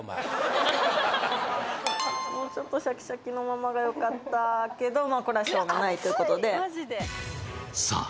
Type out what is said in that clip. もうちょっとシャキシャキのものがよかったけどまあこれはしょうがないということでさあ